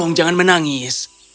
oh jangan menangis